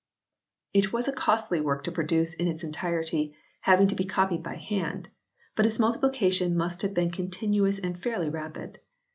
It was a costly work to produce in its entirety, having to be copied by hand ; but its multiplication must have been continuous and fairly rapid.